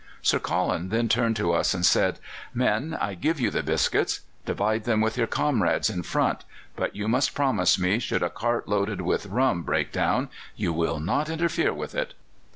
Sir Colin then turned to us and said: 'Men, I give you the biscuits. Divide them with your comrades in front; but you must promise me should a cart loaded with rum break down, you will not interfere with it.